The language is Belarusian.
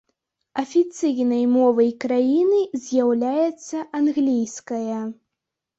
Афіцыйнай мовай краіны з'яўляецца англійская.